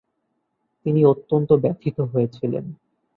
তিনি অত্যন্ত ব্যথিত হয়েছিলেন।